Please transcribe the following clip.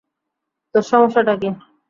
তোর সমস্যাটা কী?